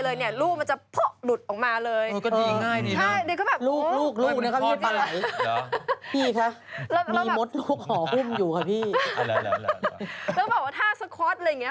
แล้วบอกว่าถ้าสคอตอะไรอย่างนี้